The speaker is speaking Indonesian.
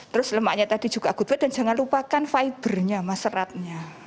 terus lemaknya tadi juga good fat dan jangan lupakan fibernya sama seratnya